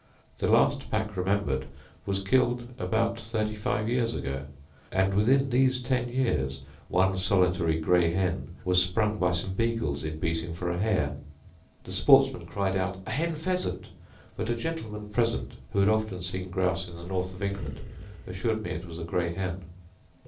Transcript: The last pack remembered was killed about thirty five years ago; and within these ten years one solitary greyhen was sprung by some beagles in beating for a hare. The sportsmen cried out, 'A hen pheasant'; but a gentleman present, who had often seen grouse in the north of England, assured me that it was a greyhen.